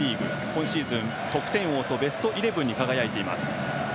今シーズン、得点王とベストイレブンに輝いています。